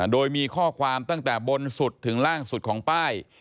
โดยมีข้อความตั้งแต่บนสุดถึงล่างสุดของป้าย